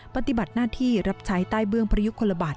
ปฏิบัติหน้าที่รับใช้ใต้เบื้องพระยุคลบาท